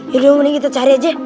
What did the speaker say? yaudah mending gitu cari aja